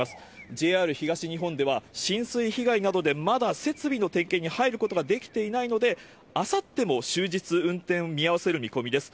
ＪＲ東日本では、浸水被害などで、まだ設備の点検に入ることができていないので、あさっても終日、運転を見合わせる見込みです。